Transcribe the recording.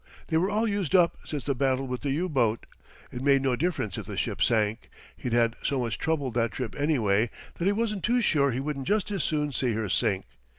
They were all used up since the battle with the U boat. It made no difference if the ship sank. He'd had so much trouble that trip anyway that he wasn't too sure he wouldn't just as soon see her sink.